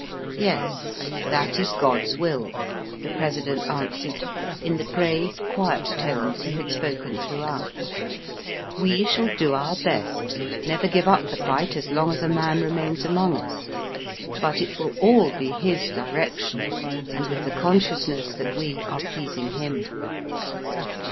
"Yes; that is God's will," the President answered, in the grave, quiet tones he had spoken throughout. *^ We shall do our best, and never give up the fight as long as a man remains among us. But it will all be His direction, and with the consciousness that we are pleasing Him."